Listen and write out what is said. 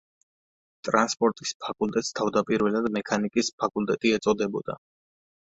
ტრანსპორტის ფაკულტეტს თავდაპირველად მექანიკის ფაკულტეტი ეწოდებოდა.